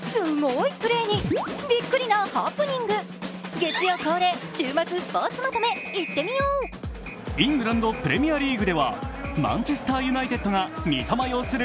月曜恒例、スポーツ週末まとめ、いってみようイングランド・プレミアリーグではマンチェスターユナイテッドが三笘擁する